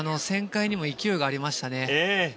旋回にも勢いがありましたね。